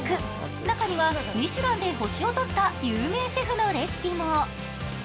中にはミシュランで星を取った有名シェフのレシピも。